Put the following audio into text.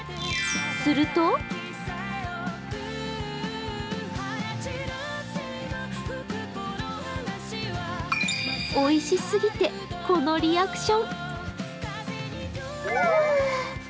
するとおいしすぎてこのリアクション。